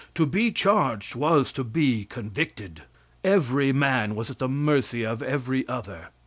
To be charged was to be convicted. Every man was at the mercy of every other.